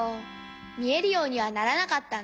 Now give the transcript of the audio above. みえるようにはならなかったんだ。